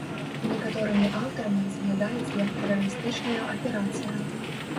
Некаторымі аўтарамі разглядаецца як тэрарыстычная аперацыя.